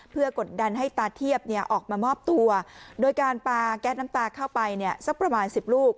เพื่อกดดันให้ตาเทียบออกมามอบตัวโดยการปลาแก๊สน้ำตาเข้าไปเนี่ยสักประมาณ๑๐ลูก